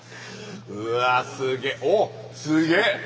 うわすげおっすげっ！